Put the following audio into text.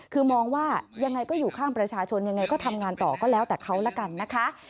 คือมองว่ายังไงก็อยู่ข้างประชาชนยังไงก็ทำงานต่อก็แล้วแต่เขาละกันนะคะ